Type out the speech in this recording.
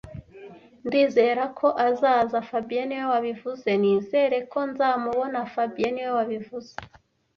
Ndizera ko azaza fabien niwe wabivuze Nizere ko nzamubona fabien niwe wabivuze